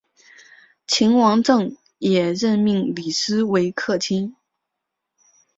秦王政也任命李斯为客卿。